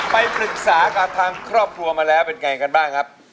ไปปรึกษากับทางครอบครัวมาแล้วเป็นไงกันบ้างครับ